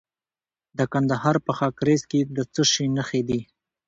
د کندهار په خاکریز کې د څه شي نښې دي؟